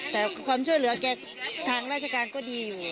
แต่ความช่วยเหลือแกทางราชการก็ดีอยู่